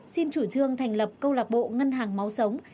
xin chủ trương thành lập câu lạc bộ ngân hàng máu sống